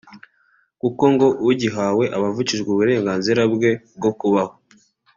kuko ngo ugihawe aba avukijwe uburenganzira bwe bwo kubaho